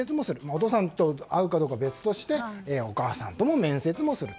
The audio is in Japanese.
お父さんと会うかどうかは別としてお母さんとも面接をする。